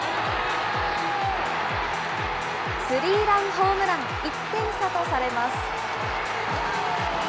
スリーランホームラン、１点差とされます。